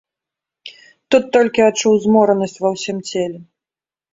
Тут толькі адчуў зморанасць ва ўсім целе.